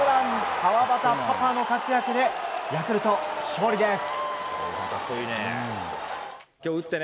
川端パパの活躍でヤクルト、勝利です。